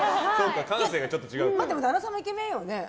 でも旦那さんもイケメンよね。